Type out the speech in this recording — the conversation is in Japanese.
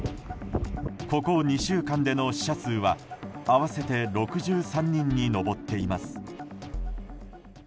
ここ２週間での死者数は合わせて６３人に上っています。